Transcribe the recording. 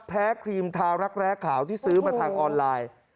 ครีมทารักแร้ขาวที่ซื้อมาทางออนไลน์